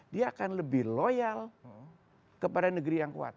dia akan lebih loyal kepada negeri yang kuat